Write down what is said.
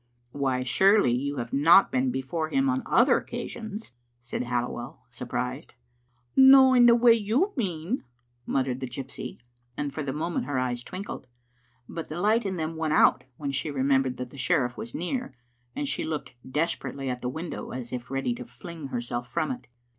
" Why, surely you have not been before him on other occasions," said Halliwell, surprised. " No in the way you mean," muttered the gypsy, and for the moment her eyes twinkled. But the light in them went out when she remembered that the sherifiE was near, and she looked desperately at the window as if ready to fling herself from it.